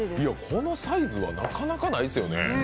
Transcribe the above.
このサイズはなかなかないですよね。